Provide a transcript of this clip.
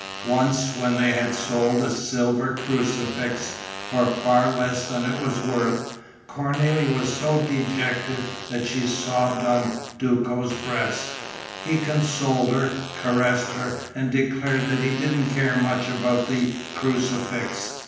Once, when they had sold a silver crucifix for far less than it was worth, Cornélie was so dejected that she sobbed on Duco's breast. He consoled her, caressed her and declared that he didn't care much about the crucifix.